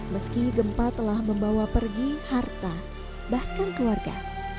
meski gempa telah membawa pergi harta bahkan keluarga